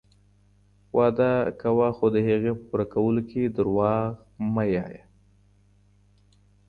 وعده کوه خو د هغې په پوره کولو کي دروغ مه وایه.